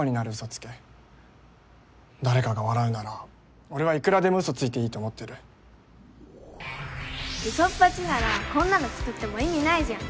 つけ誰かが笑うなら俺はいくらでもウソついていいと思ってるウソっぱちならこんなの作っても意味ないじゃん